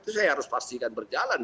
itu saya harus pastikan berjalan